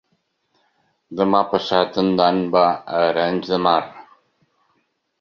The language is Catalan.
Demà passat en Dan va a Arenys de Mar.